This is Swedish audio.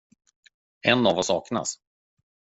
En av oss saknas.